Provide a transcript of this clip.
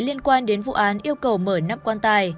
liên quan đến vụ án yêu cầu mở năm quan tài